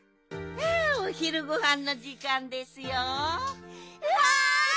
おひるごはんのじかんですよ。わい！